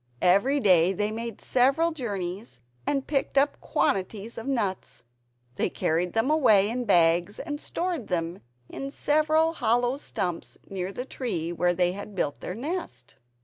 Every day they made several journeys and picked quantities of nuts. They carried them away in bags, and stored them in several hollow stumps near the tree where they had built their nest.